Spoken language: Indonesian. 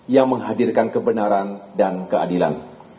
yang menghadirkan kebenaran dan keadilan